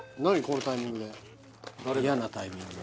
このタイミングで嫌なタイミング